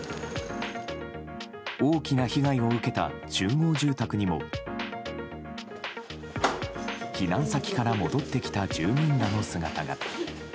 大きな被害を受けた集合住宅にも避難先から戻ってきた住民らの姿が。